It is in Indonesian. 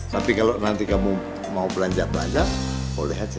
tapi kalau nanti kamu mau belanja belanja boleh aja